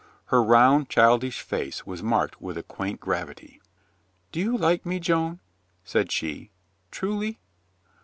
Her round, childish face was marked with a quaint gravity. "Do you like me, Joan?" said she. "Truly?"